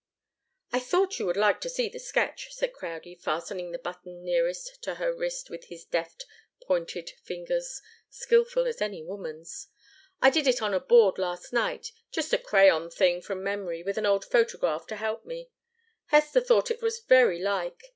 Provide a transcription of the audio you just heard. "I thought you would like to see the sketch," said Crowdie, fastening the button nearest to her wrist with his deft, pointed fingers, skilful as any woman's. "I did it on a board last night just a crayon thing from memory, with an old photograph to help me. Hester thought it was very like.